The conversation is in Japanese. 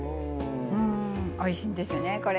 おいしいんですよね、これ。